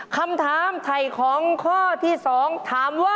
คำถามไถ่ของข้อที่๒ถามว่า